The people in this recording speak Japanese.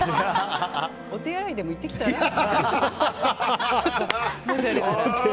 お手洗いでも行ってきたら？